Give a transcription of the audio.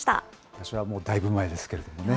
私はもうだいぶ前ですけれどもね。